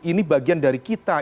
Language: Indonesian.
ini bagian dari kita